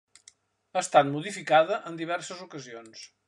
Ha estat modificada en diverses ocasions.